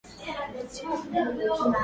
keti chini